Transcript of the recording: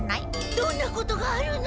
どんなことがあるの？